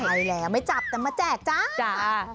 ใช่แล้วไม่จับแต่มาแจกจ้าจ้า